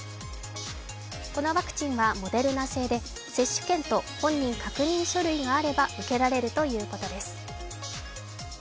このワクチンはモデルナ製で接種券と本人確認書類があれば受けられるというこどてす。